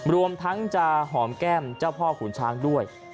รวมทั้งจะหอมแก้มเจ้าพ่อขุนช้างด้วย